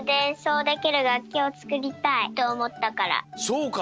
そうか。